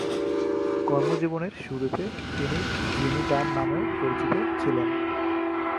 কর্মজীবনের শুরুতে তিনি জিমি ডান নামেও পরিচিত ছিলেন।